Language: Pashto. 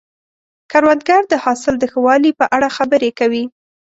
کروندګر د حاصل د ښه والي په اړه خبرې کوي